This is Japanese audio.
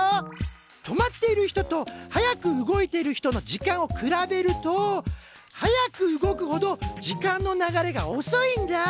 止まっている人と速く動いている人の時間を比べると速く動くほど時間の流れがおそいんだ。